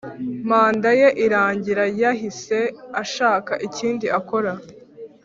manda ye irangira yahise ashaka ikindi akora